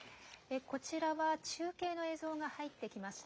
こちらは中継の映像が入ってきました。